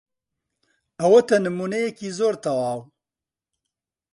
ئەوەتە نموونەیەکی زۆر تەواو.